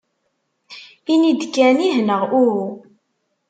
Ini-d kan ih neɣ uhu.